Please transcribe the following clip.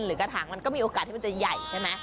กระถางมันก็มีโอกาสที่มันจะใหญ่ใช่ไหม